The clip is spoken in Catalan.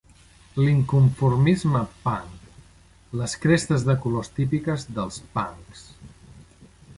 L'inconformisme 'punk'.Les crestes de colors típiques dels 'punks'.